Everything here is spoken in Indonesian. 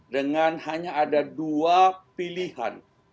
dengan hanya ada dua pilihan